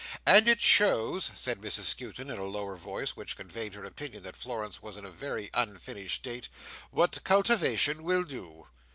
And it shows," said Mrs Skewton, in a lower voice, which conveyed her opinion that Florence was in a very unfinished state, "what cultivation will do."